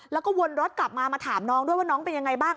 แล้วก็วนรถกลับมามาถามน้องด้วยว่าน้องเป็นยังไงบ้าง